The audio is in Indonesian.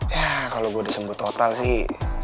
yah kalo gue udah sembuh total sih